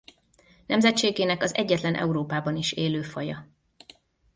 Nemzetségének az egyetlen Európában is élő faja.